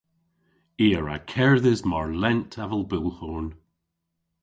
I a wra kerdhes mar lent avel bulhorn.